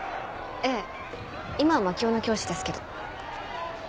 ええ今は槙尾の教師ですけど。